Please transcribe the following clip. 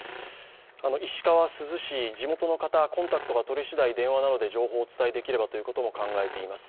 石川・珠洲市、地元の方、コンタクトがとれ次第電話などで状況をお伺いできればと考えています。